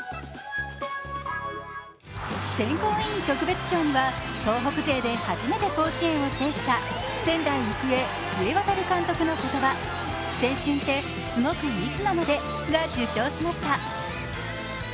選考委員特別賞には東北勢で初めて甲子園を制した仙台育英・須恵航監督の言葉、「青春って、すごく密なので」が受賞しました。